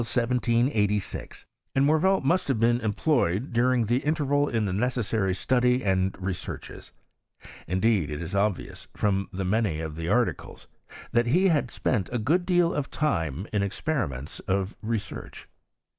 1786, and Morvean must have been employed during the inter val in the necessary study and researches. Indeed, it is obvious, from many of the articles, that he had spent a good deal of time jn experiments of research.